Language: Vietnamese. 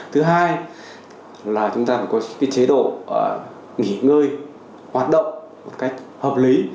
thứ hai là chúng ta phải có cái chế độ nghỉ ngơi hoạt động một cách hợp lý